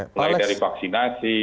mulai dari vaksinasi